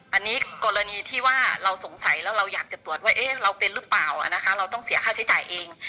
อันนี้กรณีที่ว่าเราสงสัยแล้วเราอยากจะตรวจว่าเราเป็นหรือเปล่านะคะเราต้องเสียค่าใช้จ่ายเอง